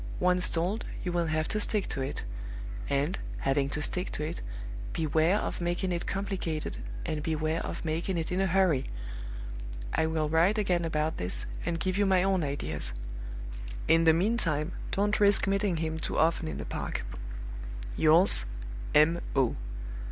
Once told, you will have to stick to it; and, having to stick to it, beware of making it complicated, and beware of making it in a hurry. I will write again about this, and give you my own ideas. In the meantime, don't risk meeting him too often in the park. "Yours, M. O."